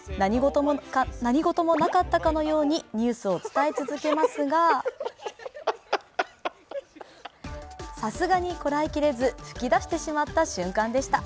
何事もなかったかのようにニュースを伝え続けますがさすがにこらえきれず吹き出してしまった瞬間でした。